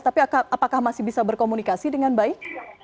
apakah itu bisa dikomunikasi dengan baik